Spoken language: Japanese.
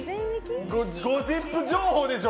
ゴシップ情報でしょ！